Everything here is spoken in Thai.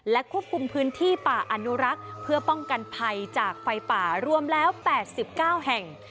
และควบคุมพื้นที่ป่าอนุรักษ์เพื่อป้องกันภัยจากไฟป่ารวมแล้ว๘๙แห่ง